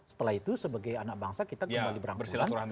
setelah itu sebagai anak bangsa kita kembali berangkulan